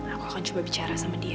akan saya coba segera pikir sama dia